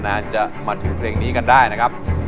อาจจะมาถึงเพลงนี้กันได้นะครับ